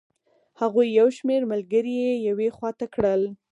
هغوی یو شمېر ملګري یې یوې خوا ته کړل.